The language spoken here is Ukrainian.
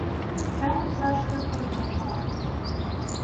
Це ми, зрештою, передбачали.